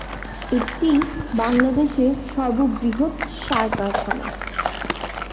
এটি বাংলাদেশের সর্ববৃহৎ সার কারখানা।